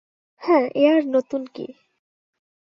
হ্যাঁ এ আর নতুন কি।